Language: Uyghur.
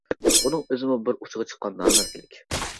بۇنىڭ ئۆزىمۇ بىر ئۇچىغا چىققان نامەردلىك.